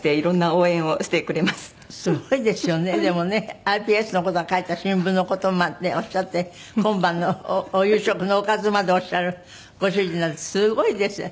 ｉＰＳの事が書いた新聞の事までおっしゃって今晩のお夕食のおかずまでおっしゃるご主人なんてすごいですね。